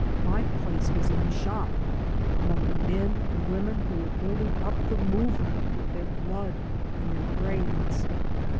My place was in the shop, among the men and women who were building up the movement with their blood and their brains.